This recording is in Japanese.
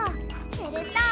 すると。